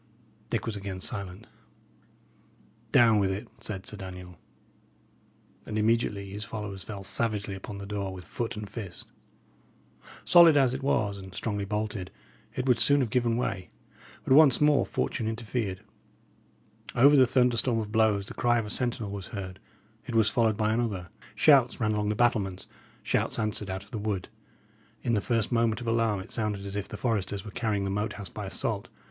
Dick was again silent. "Down with it," said Sir Daniel. And immediately his followers fell savagely upon the door with foot and fist. Solid as it was, and strongly bolted, it would soon have given way; but once more fortune interfered. Over the thunderstorm of blows the cry of a sentinel was heard; it was followed by another; shouts ran along the battlements, shouts answered out of the wood. In the first moment of alarm it sounded as if the foresters were carrying the Moat House by assault.